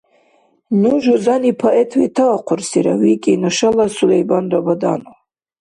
«Ну жузани поэт ветаахъурсира», — викӀи нушала Сулайбан Рабаданов.